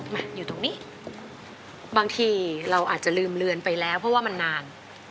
มาอยู่ตรงนี้บางทีเราอาจจะลืมเลือนไปแล้วเพราะว่ามันนาน